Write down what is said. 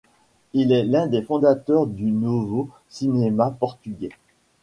Il est l'un des fondateurs du Novo Cinema portugais.